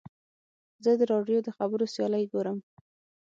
زه د راډیو د خبرو سیالۍ ګورم.